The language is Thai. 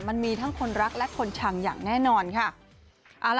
มันมีทั้งคนรักและคนชังอย่างแน่นอนค่ะ